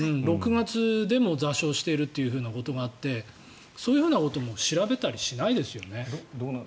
６月でも座礁しているということがあってそういうふうなことも調べたりしないですよね。